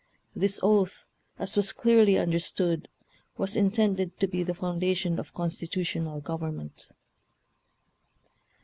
This oath, as was clearly understood, was intended to be the founda tion of constitutional government.